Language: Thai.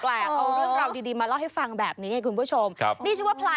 เอาเรื่องเราดีมาเล่าให้ฟังแบบนี้ไง